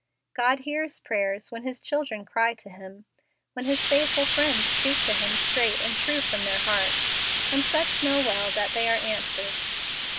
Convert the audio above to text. God hears prayer when His children cry to Him when His faithful friends speak to Him straight and true from their hearts; and such know well that they are answered.